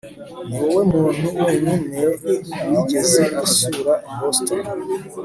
niwowe muntu wenyine wigeze asura boston